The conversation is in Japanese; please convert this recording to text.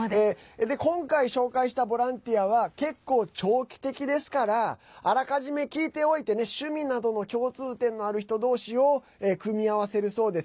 今回紹介したボランティアは結構、長期的ですからあらかじめ聞いておいてね趣味などの共通点のある人同士を組み合わせるそうです。